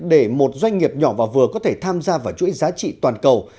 để một doanh nghiệp nhỏ và vừa có thể tham gia vào chuỗi giá trị toàn cầu